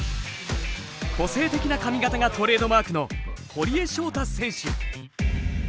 個性的な髪形がトレードマークの堀江翔太選手。